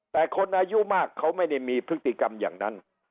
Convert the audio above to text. แต่คนอายุมากเขาไม่ได้มีพฤติกรรมอย่างนั้น